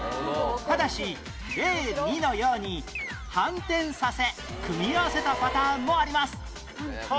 ただし例２のように反転させ組み合わせたパターンもあります